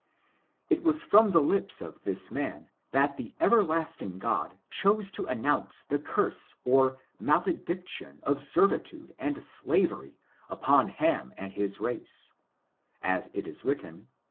It was from the lips of this man that the everlast ing God chose to announce the curse or malediction of servitude and slavery upon Ham and his race, as it is written.